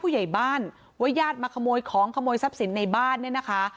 ผู้ใหญ่บ้านว่าญาติมาขโมยของขโมยทรัพย์สินในบ้านเนี่ยนะคะ